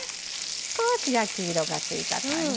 少し焼き色がついた感じね。